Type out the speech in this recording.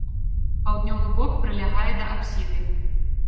Паўднёвы бок прылягае да апсіды.